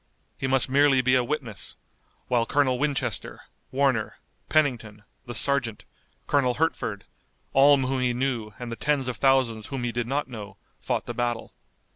He must merely be a witness, while Colonel Winchester, Warner, Pennington, the sergeant, Colonel Hertford, all whom he knew and the tens of thousands whom he did not know, fought the battle.